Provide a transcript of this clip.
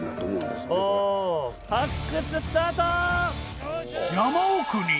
発掘スタート！